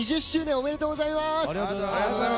ありがとうございます。